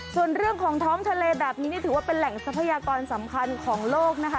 ส่วนเรื่องของท้องทะเลแบบนี้นี่ถือว่าเป็นแหล่งทรัพยากรสำคัญของโลกนะคะ